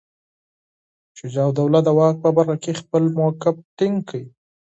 شجاع الدوله د واک په برخه کې خپل موقف ټینګ کړ.